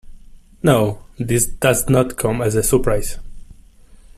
No, this does not come as a surprise.